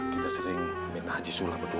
kita sering minta haji sulam berdua